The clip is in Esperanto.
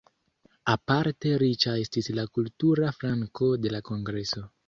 Aparte riĉa estis la kultura flanko de la kongreso.